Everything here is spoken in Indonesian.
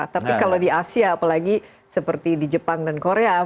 tapi kalau di asia apalagi seperti di jepang dan korea